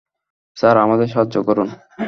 Sir, আমাদের সাহায্য করুন।